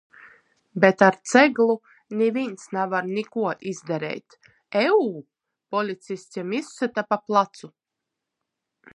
Bet ar ceglu nivīns navar nikuo izdareit. Eu?! policists jam izsyta pa placu.